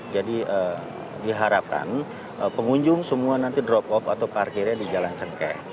jadi diharapkan pengunjung semua nanti drop off atau parkirnya di jalan cengkeh